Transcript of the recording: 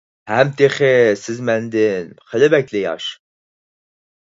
ھەم تېخى سىز مەندىن خېلى بەكلا ياش.